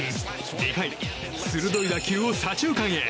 ２回、鋭い打球を左中間へ。